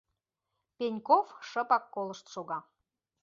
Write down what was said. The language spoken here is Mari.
Пеньков шыпак колышт шога.